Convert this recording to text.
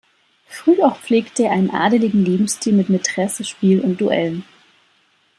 Früh auch pflegte er einen adeligen Lebensstil mit Mätresse, Spiel und Duellen.